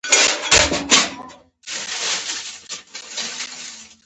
د هر یوه پر مخ به یې ور نیوه، د دوی سیوری.